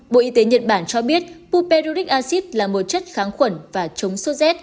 bộ y tế nhật bản cho biết puperulic acid là một chất kháng khuẩn và chống số z